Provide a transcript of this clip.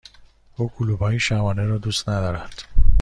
او کلوپ های شبانه را دوست ندارد.